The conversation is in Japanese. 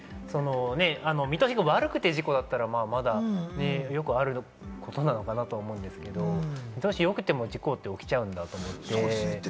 見通しが悪くて事故だったらよくあることなのかなと思うんですけれど、見通しがよくても事故って起きちゃうんだって。